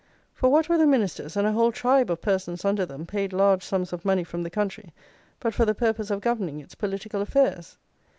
For what were the ministers, and a whole tribe of persons under them, paid large sums of money from the country but for the purpose of governing its political affairs.